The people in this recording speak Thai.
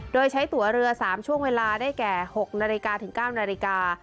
โดยใช้ตัวเรือ๓ช่วงเวลาได้แก่๖นาฬิกาถึง๙นาฬิกา